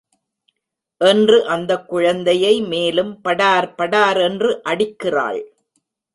என்று அந்தக் குழந்தையை மேலும் படார் படார் என்று அடிக்கிறாள்.